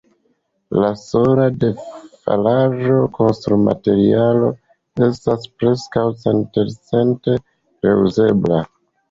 La sola defalaĵo, konstrumaterialoj, estas preskaŭ centelcente reuzebla.